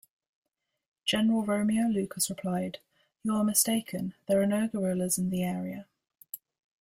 General Romeo Lucas replied, "You are mistaken, there are no guerrillas in the area".